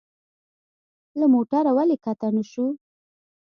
له موټره ولي کښته نه شو؟